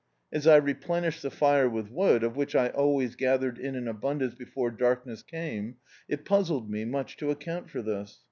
As I replenished the fire with wood, of which I always gathered in an abundance before darkness came, it puzzled me much to account for this.